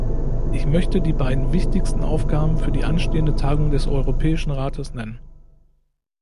Ich möchte die beiden wichtigsten Aufgaben für die anstehende Tagung des Europäischen Rates nennen.